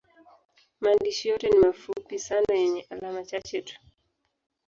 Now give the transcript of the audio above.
Maandishi yote ni mafupi sana yenye alama chache tu.